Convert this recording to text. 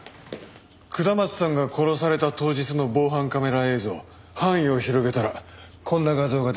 下松さんが殺された当日の防犯カメラ映像範囲を広げたらこんな画像が出てきた。